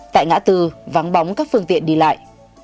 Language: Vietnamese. tại ngã tư vắng bóng các phương tiện đi lại